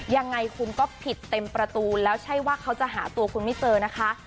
ยังไงคุณก็ผิดเต็มประตูแล้วใช่ว่าเขาจะหาตัวคุณไม่เจอนะคะ